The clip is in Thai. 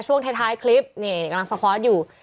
ช่วงท้ายคลิปนี่กำลังสคอร์สอยู่